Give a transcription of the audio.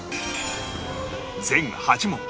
全８問